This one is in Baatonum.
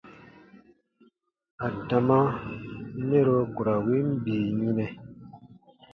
Adama mɛro ku ra win bii yinɛ.